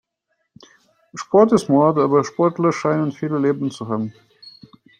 Sport ist Mord, aber Sportler scheinen viele Leben zu haben.